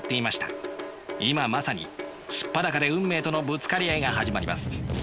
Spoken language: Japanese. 今まさに素っ裸で運命とのぶつかり合いが始まります。